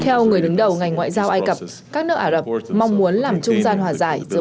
theo người đứng đầu ngành ngoại giao ai cập các nước ả rập mong muốn làm trung gian hòa giải giữa